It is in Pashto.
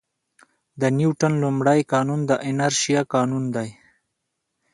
د نیوټن لومړی قانون د انرشیا قانون دی.